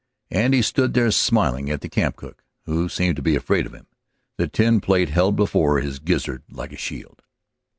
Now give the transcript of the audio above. And he stood there smiling at the camp cook, who seemed to be afraid of him, the tin plate held before his gizzard like a shield.